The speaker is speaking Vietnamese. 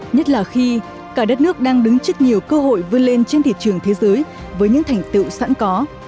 nhất là khi cả đất nước đang đứng trước nhiều cơ hội vươn lên trên thị trường thế giới với những thành tựu sẵn có